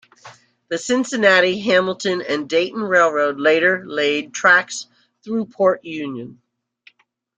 The Cincinnati, Hamilton, and Dayton Railroad later laid tracks through Port Union.